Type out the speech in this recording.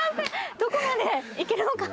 どこまでいけるのかなと。